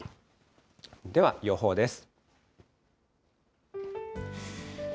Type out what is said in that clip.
では、予報です。